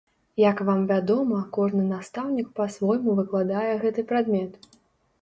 Як вам вядома, кожны настаўнік па-свойму выкладае гэты прадмет.